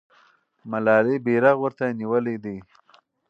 ملالۍ بیرغ ورته نیولی دی.